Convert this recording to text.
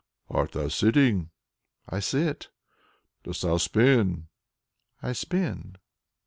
"Art thou sitting?" "I sit." "Dost thou spin?" "I spin."